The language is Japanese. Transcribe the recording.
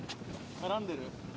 絡んでる。